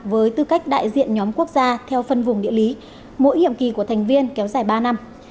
với tư cách đại diện nhóm quốc gia theo phân vùng địa lý mỗi nhiệm kỳ của thành viên kéo dài ba năm